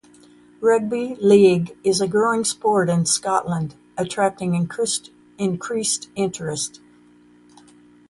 Rugby league is a growing sport in Scotland, attracting increased interest.